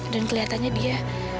dan kelihatannya dia